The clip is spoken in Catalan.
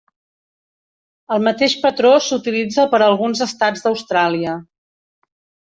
El mateix patró s'utilitza per a alguns estats d'Austràlia.